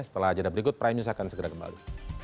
setelah ajadah berikut prime news akan segera kembali